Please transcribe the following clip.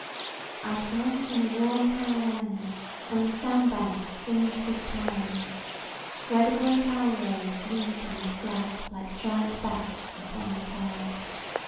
"I come from the warm Carolinas, and the sandbanks fringed with pines; where the great owl rays leap and flap, like giant bats, upon the tide.